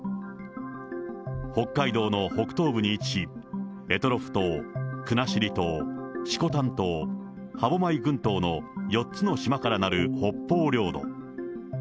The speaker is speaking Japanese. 北海道の北東部に位置し、択捉島、国後島、色丹島、歯舞群島の４つの島からなる北方領土。